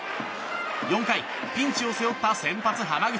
４回、ピンチを背負った先発、濱口。